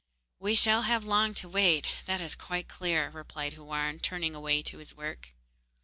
'We shall have long to wait, that is quite clear,' replied Houarn, turning away to his work.